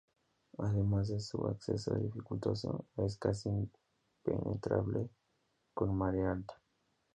Además de su acceso dificultoso, es casi impenetrable con marea alta.